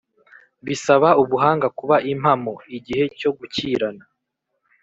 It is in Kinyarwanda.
bisaba ubuhanga kuba impamo, igihe cyo gukirana